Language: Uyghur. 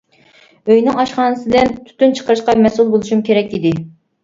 ئۆينىڭ ئاشخانىدىن تۈتۈن چىقىرىشقا مەسئۇل بولۇشۇم كېرەك ئىدى.